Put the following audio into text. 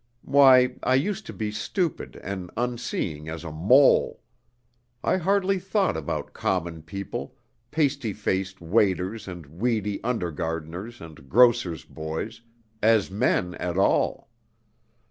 Why, I used to be stupid and unseeing as a mole! I hardly thought about common people, pasty faced waiters and weedy under gardeners and grocer's boys, as men at all.